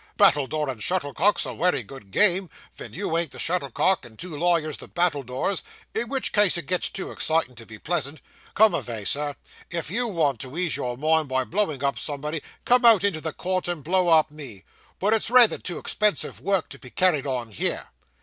'Battledore and shuttlecock's a wery good game, vhen you ain't the shuttlecock and two lawyers the battledores, in which case it gets too excitin' to be pleasant. Come avay, Sir. If you want to ease your mind by blowing up somebody, come out into the court and blow up me; but it's rayther too expensive work to be carried on here.